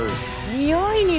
においにも。